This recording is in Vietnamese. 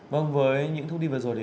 vâng với những thông tin vừa rồi